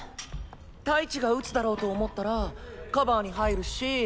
太一が打つだろうと思ったらカバーに入るし？